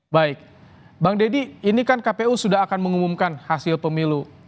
baik bang deddy ini kan kpu sudah akan mengumumkan hasil pemilu